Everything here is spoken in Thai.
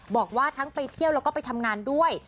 บอกว่าทั้งไปเที่ยวแล้วก็ไปทำงานด้วย